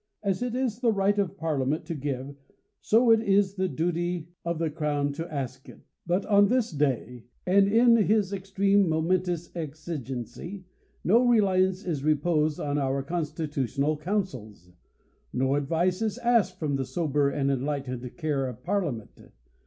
As it is the right of Parliament to give, so it is the duty of the crown to ask it. But on this day, and in (his extreme momentouS' THE COLUMBIAN ORATOR. 2G3 iDoraentous exigency, no reliance is reposed on our constitutional counsels ! no advice is asked from the sober and enlightened care of Parliament